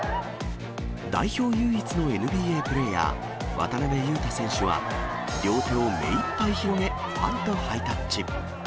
代表唯一のＮＢＡプレーヤー、渡邊雄太選手は、両手を目いっぱい広げ、ファンとハイタッチ。